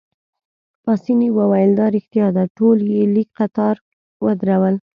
پاسیني وویل: دا ريښتیا ده، ټول يې لیک قطار ودرول.